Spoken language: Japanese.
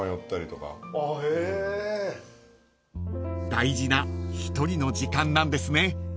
［大事な一人の時間なんですね］